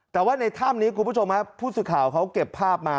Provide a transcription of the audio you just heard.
แต่ว่าในถ้ำนี้คุณผู้ชมผู้สื่อข่าวเขาเก็บภาพมา